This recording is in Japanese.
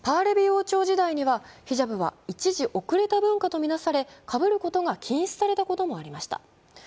王朝時代にはヒジャブは一時、遅れた文化とみなされかぶることが禁止されたこともありました。